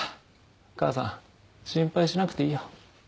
母さん心配しなくていいよ。